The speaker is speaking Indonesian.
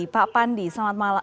pak pandi selamat sore